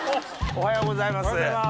おはようございます。